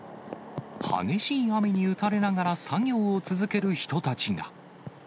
激しい雨に打たれながら、作業を続ける人たちが。